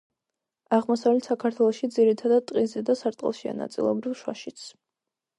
აღმოსავლეთ საქართველოში ძირითადად ტყის ზედა სარტყელშია, ნაწილობრივ შუაშიც.